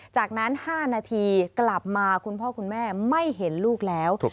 จากนั้น๕นาทีกลับมาคุณพ่อคุณแม่ไม่เห็นลูกแล้ว